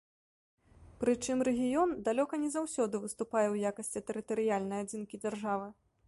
Прычым рэгіён далёка не заўсёды выступае ў якасці тэрытарыяльнай адзінкі дзяржавы.